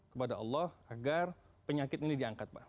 kepada allah agar penyakit ini diangkat pak